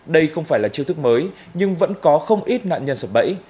đây không phải là chiêu thức mới nhưng vẫn có không ít nạn nhân sập bẫy